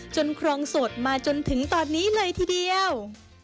ครองสดมาจนถึงตอนนี้เลยทีเดียว